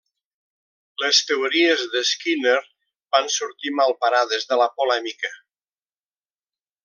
Les teories de Skinner van sortir malparades de la polèmica.